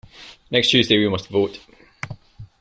Next Tuesday we must vote.